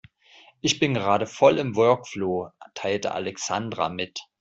Ich bin gerade voll im Workflow, teilte Alexandra mit.